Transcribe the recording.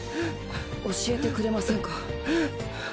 教えてくれませんか？